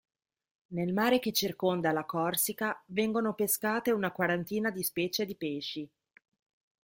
Nel mare che circonda la Corsica vengono pescate una quarantina di specie di pesci.